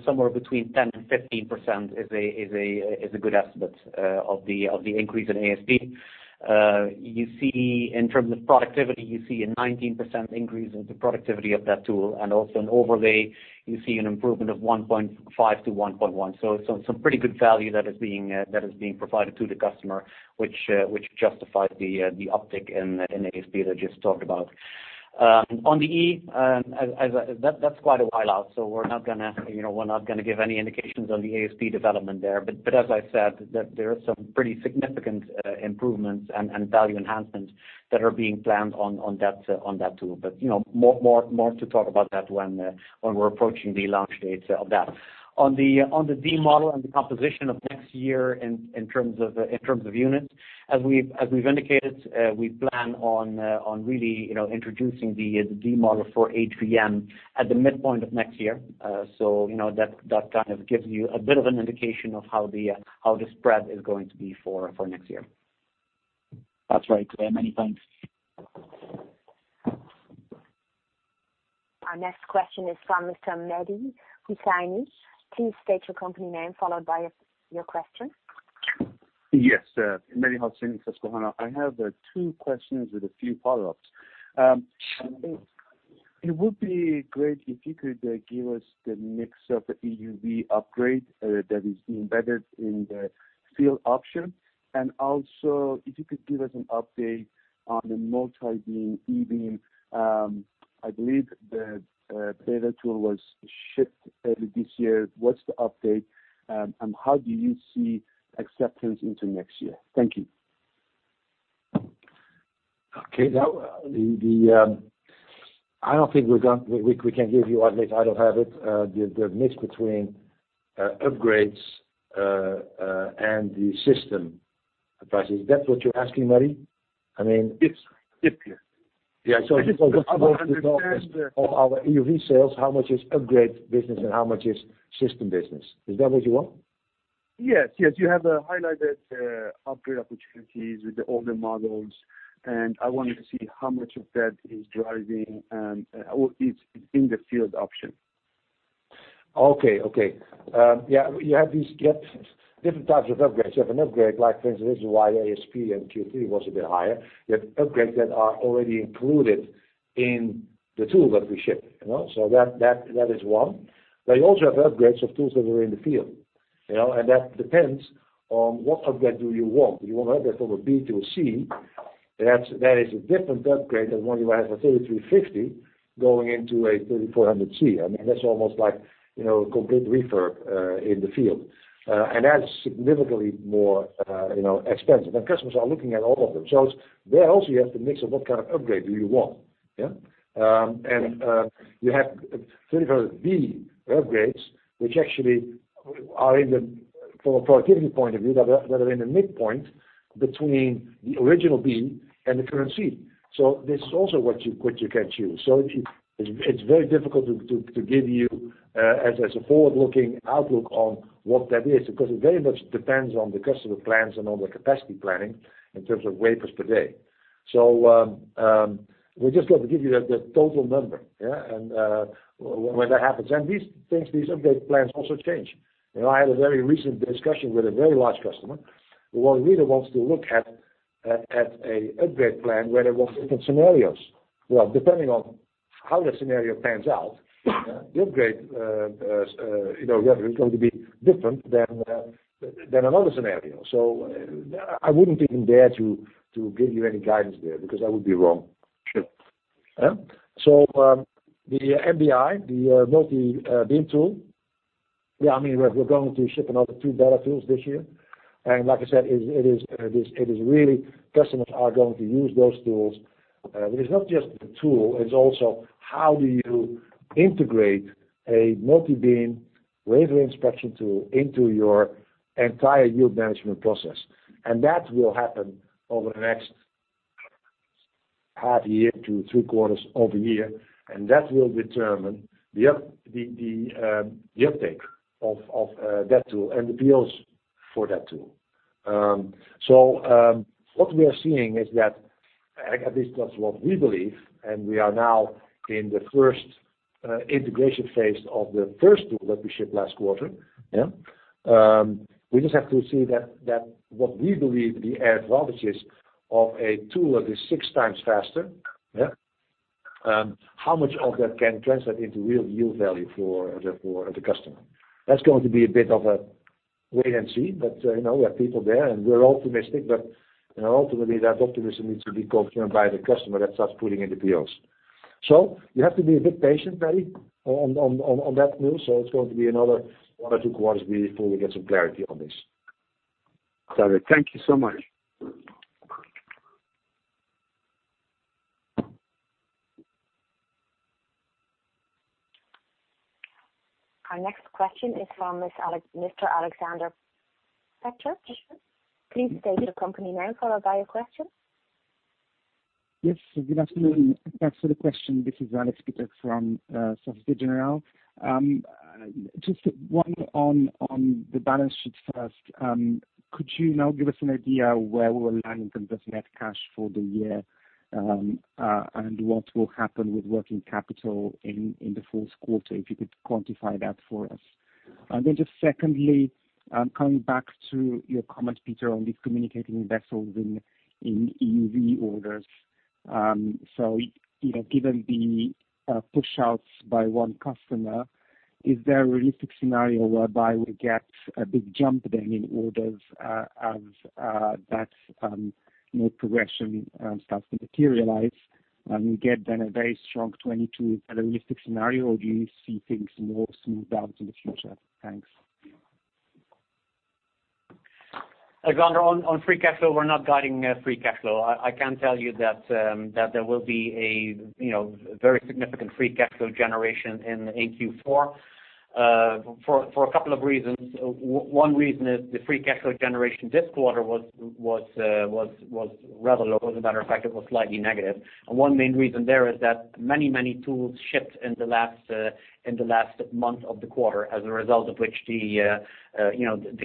S4: somewhere between 10% and 15% is a good estimate of the increase in ASP. In terms of productivity, you see a 19% increase in the productivity of that tool, and also an overlay, you see an improvement of 1.5 to 1.1. Some pretty good value that is being provided to the customer, which justifies the uptick in ASP that I just talked about. On the E, that's quite a while out, so we're not going to give any indications on the ASP development there. As I said, there are some pretty significant improvements and value enhancements that are being planned on that tool. More to talk about that when we're approaching the launch dates of that. On the D model and the composition of next year in terms of units, as we've indicated, we plan on really introducing the D model for HVM at the midpoint of next year. That kind of gives you a bit of an indication of how the spread is going to be for next year.
S11: That's right. Many thanks.
S1: Our next question is from Mr. Mehdi Hosseini. Please state your company name, followed by your question.
S12: Yes. Mehdi Hosseini, Susquehanna. I have two questions with a few follow-ups. It would be great if you could give us the mix of EUV upgrade that is embedded in the field option, and also if you could give us an update on the multi-beam e-beam. I believe the beta tool was shipped early this year. What's the update? How do you see acceptance into next year? Thank you.
S3: Okay. I don't think we can give you an update. I don't have it, the mix between upgrades and the system prices. Is that what you're asking, Mehdi?
S12: Yes.
S3: Yeah. In other words, the total-
S12: I just want to understand the.
S3: of our EUV sales, how much is upgrade business and how much is system business. Is that what you want?
S12: Yes. You have highlighted upgrade opportunities with the older models, and I wanted to see how much of that is driving, and what is in the field option?
S3: Okay. You have these different types of upgrades. You have an upgrade, for instance, this is why ASP in Q3 was a bit higher. You have upgrades that are already included in the tool that we ship. That is one. You also have upgrades of tools that are in the field. That depends on what upgrade do you want. Do you want to upgrade from a B to a C? That is a different upgrade than when you have a NXE:3350B going into a NXE:3400C. That's almost like a complete refurb in the field. That's significantly more expensive, and customers are looking at all of them. There also you have the mix of what kind of upgrade do you want. You have (NXE:3400B) upgrades, which actually are, from a productivity point of view, that are in the midpoint between the original B and the current C. This is also what you can choose. It's very difficult to give you as a forward-looking outlook on what that is, because it very much depends on the customer plans and on the capacity planning in terms of wafers per day. We just have to give you the total number, and when that happens. These things, these upgrade plans also change. I had a very recent discussion with a very large customer who really wants to look at a upgrade plan where there were different scenarios. Well, depending on how the scenario pans out, the upgrade is going to be different than another scenario. I wouldn't even dare to give you any guidance there, because I would be wrong.
S12: Sure.
S3: The MBI, the multi-beam tool, we're going to ship another two beta tools this year. Like I said, it is really customers are going to use those tools. It's not just the tool, it's also how do you integrate a multi-beam wafer inspection tool into your entire yield management process. That will happen over the next half year to three-quarters of a year, and that will determine the uptake of that tool and the deals for that tool. What we are seeing is that, at least that's what we believe, and we are now in the first integration phase of the first tool that we shipped last quarter. We just have to see that what we believe the advantages of a tool that is six times faster, how much of that can translate into real yield value for the customer. That's going to be a bit of a wait and see, but we have people there and we're optimistic, but ultimately that optimism needs to be confirmed by the customer that starts putting in the POs. You have to be a bit patient, Mehdi, on that news. It's going to be another one or two quarters before we get some clarity on this.
S12: Got it. Thank you so much.
S1: Our next question is from Mr. Aleksander Peterc. Please state your company name, followed by your question.
S13: Yes. Good afternoon. Thanks for the question. This is Aleksander Peterc from Societe Generale. Just one on the balance sheet first. Could you now give us an idea where we will land in terms of net cash for the year, and what will happen with working capital in the fourth quarter, if you could quantify that for us? Just secondly, coming back to your comment, Peter, on these communicating vessels in EUV orders. Given the push-outs by one customer, is there a realistic scenario whereby we get a big jump then in orders as that progression starts to materialize, and we get then a very strong 2022? Is that a realistic scenario, or do you see things more smoothed out in the future? Thanks.
S4: Alexander, on free cash flow, we're not guiding free cash flow. I can tell you that there will be a very significant free cash flow generation in Q4, for a couple of reasons. One reason is the free cash flow generation this quarter was rather low. As a matter of fact, it was slightly negative. One main reason there is that many tools shipped in the last month of the quarter, as a result of which the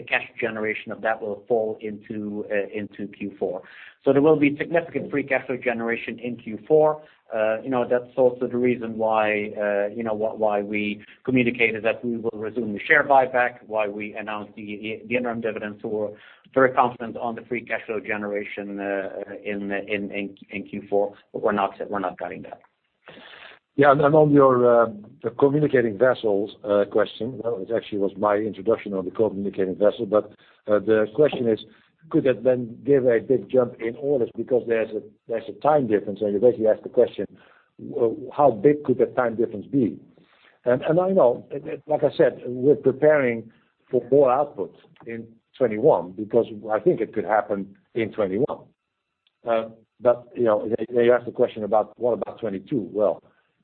S4: cash generation of that will fall into Q4. There will be significant free cash flow generation in Q4. That's also the reason why we communicated that we will resume the share buyback, why we announced the interim dividends. We're very confident on the free cash flow generation in Q4, but we're not guiding that.
S3: Yeah. On your communicating vessels question, well, it actually was my introduction on the communicating vessel. The question is, could that then give a big jump in orders because there's a time difference? You basically asked the question, how big could the time difference be? I know, like I said, we're preparing for more output in 2021 because I think it could happen in 2021. You asked the question about, what about 2022? Well,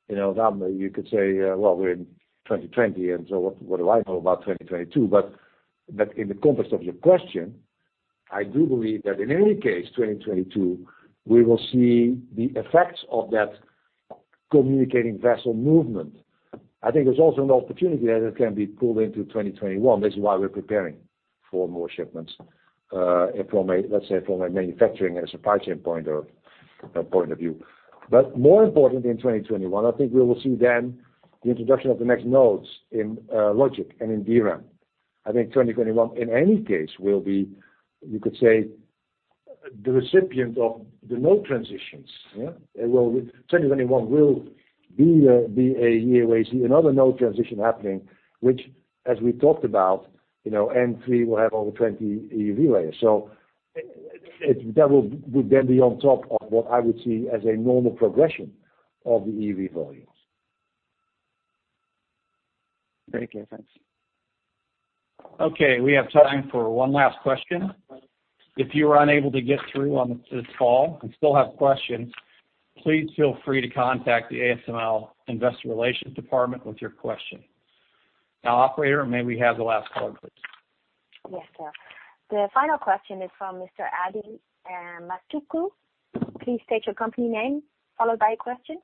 S3: you could say, well, we're in 2020, what do I know about 2022? In the compass of your question, I do believe that in any case, 2022, we will see the effects of that communicating vessel movement. I think there's also an opportunity that it can be pulled into 2021. This is why we're preparing for more shipments, let's say, from a manufacturing and supply chain point of view. More important in 2021, I think we will see then the introduction of the next nodes in logic and in DRAM. I think 2021, in any case, will be, you could say, the recipient of the node transitions. Yeah? 2021 will be a year where you see another node transition happening, which as we talked about, N3 will have over 20 EUV layers. That would then be on top of what I would see as a normal progression of the EUV volumes.
S13: Very clear. Thanks.
S2: Okay. We have time for one last question. If you were unable to get through on this call and still have questions, please feel free to contact the ASML investor relations department with your question. Operator, may we have the last caller, please?
S1: Yes, sir. The final question is from Mr. Adithya Metuku. Please state your company name, followed by your question.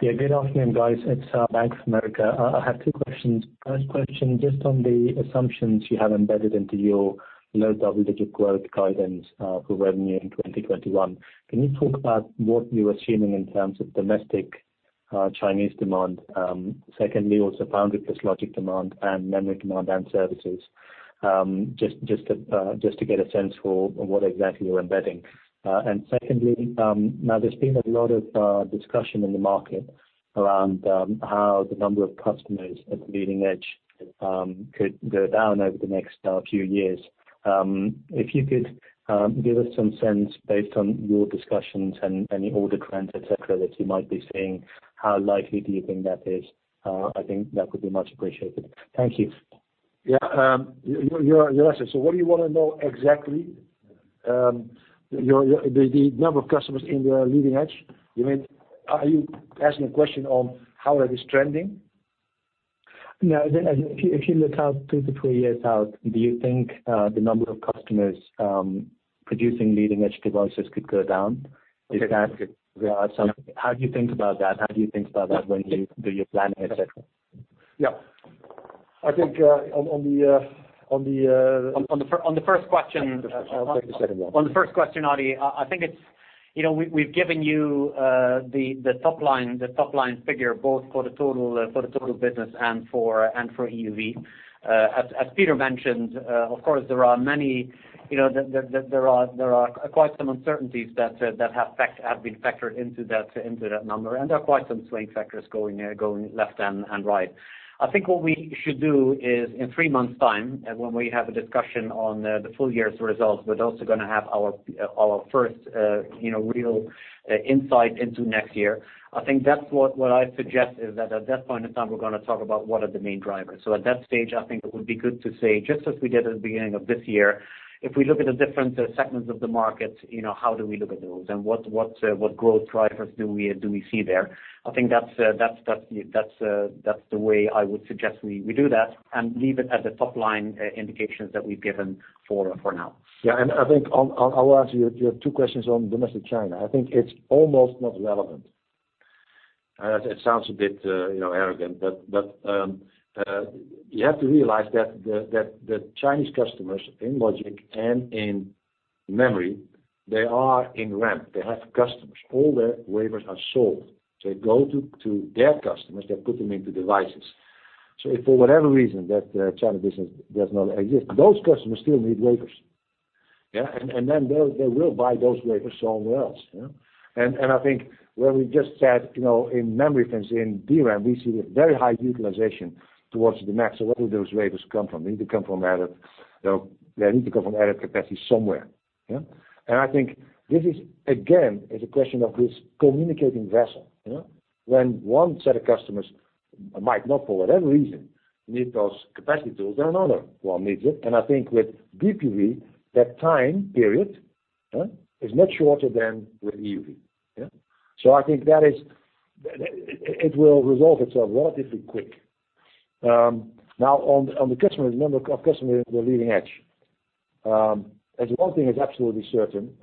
S14: Yeah. Good afternoon, guys. It's Bank of America. I have two questions. First question, just on the assumptions you have embedded into your low double-digit growth guidance for revenue in 2021. Can you talk about what you're assuming in terms of domestic Chinese demand? Secondly, also foundry plus logic demand and memory demand and services. Just to get a sense for what exactly you're embedding. Secondly, now there's been a lot of discussion in the market around how the number of customers at the leading edge could go down over the next few years. If you could give us some sense based on your discussions and any order trends, et cetera, that you might be seeing, how likely do you think that is? I think that would be much appreciated. Thank you.
S3: Yeah. Your answer. What do you want to know exactly? The number of customers in the leading edge? You mean, are you asking a question on how that is trending?
S14: No. If you look out two to three years out, do you think the number of customers producing leading-edge devices could go down?
S3: Okay.
S14: How do you think about that? How do you think about that when you do your planning, et cetera?
S3: Yeah. I think,
S4: On the first question.
S3: I'll take the second one.
S4: On the first question, Adi Metuku, I think we've given you the top-line figure both for the total business and for EUV. As Peter mentioned, of course, there are quite some uncertainties that have been factored into that number, and there are quite some swing factors going left and right. I think what we should do is in three months' time, when we have a discussion on the full year's results, we're also going to have our first real insight into next year. I think that's what I suggest is that at that point in time, we're going to talk about what are the main drivers. At that stage, I think it would be good to say, just as we did at the beginning of this year, if we look at the different segments of the market, how do we look at those, and what growth drivers do we see there? I think that's the way I would suggest we do that and leave it at the top-line indications that we've given for now.
S3: Yeah, I think I will answer your two questions on domestic China. I think it is almost not relevant. It sounds a bit arrogant, you have to realize that the Chinese customers in logic and in memory, they are in ramp. They have customers. All their wafers are sold. They go to their customers. They put them into devices. If for whatever reason that China business does not exist, those customers still need wafers. Yeah? Then they will buy those wafers somewhere else. Yeah? I think where we just said, in memory, for instance, in DRAM, we see very high utilization towards the max. Where will those wafers come from? They need to come from added capacity somewhere. Yeah? I think this is, again, is a question of this communicating vessel. When one set of customers might not, for whatever reason, need those capacity tools, then another one needs it. I think with DUV, that time period is much shorter than with EUV. Yeah? I think it will resolve itself relatively quick. Now, on the number of customers in the leading edge. One thing is absolutely certain,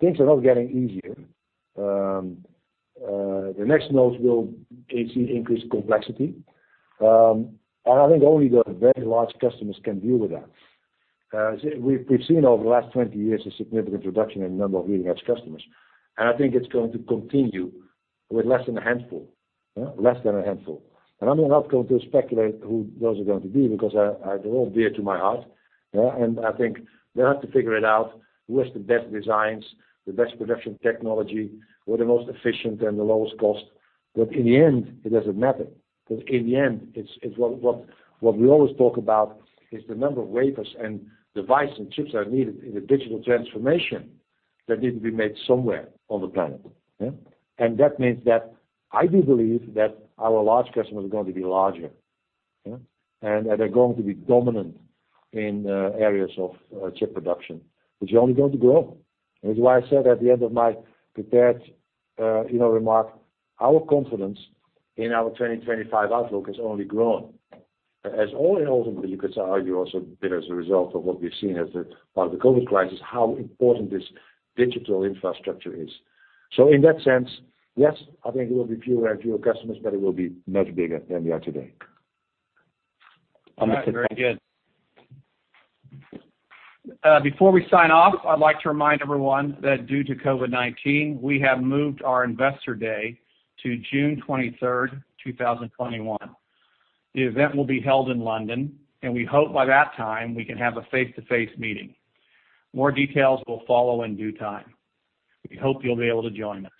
S3: things are not getting easier. The next nodes will see increased complexity. I think only the very large customers can deal with that. We've seen over the last 20 years a significant reduction in the number of leading-edge customers. I think it's going to continue with less than a handful. Yeah? Less than a handful. I'm not going to speculate who those are going to be because they're all dear to my heart. Yeah? I think they have to figure it out, who has the best designs, the best production technology. We're the most efficient and the lowest cost. In the end, it doesn't matter, because in the end, what we always talk about is the number of wafers and device and chips that are needed in the digital transformation that need to be made somewhere on the planet. Yeah. That means that I do believe that our large customers are going to be larger. Yeah. They're going to be dominant in areas of chip production. They're only going to grow. That is why I said at the end of my prepared remark, our confidence in our 2025 outlook has only grown. As all in all, you could argue also a bit as a result of what we've seen as part of the COVID crisis, how important this digital infrastructure is. In that sense, yes, I think it will be fewer and fewer customers, but it will be much bigger than we are today.
S14: All right. Very good.
S2: Before we sign off, I'd like to remind everyone that due to COVID-19, we have moved our Investor Day to June 23rd, 2021. The event will be held in London, and we hope by that time, we can have a face-to-face meeting. More details will follow in due time. We hope you'll be able to join us.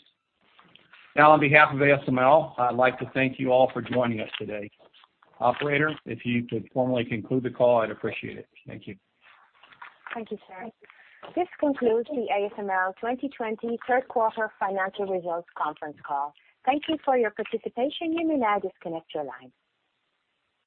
S2: On behalf of ASML, I'd like to thank you all for joining us today. Operator, if you could formally conclude the call, I'd appreciate it. Thank you.
S1: Thank you, sir. This concludes the ASML 2020 third quarter financial results conference call. Thank you for your participation. You may now disconnect your line.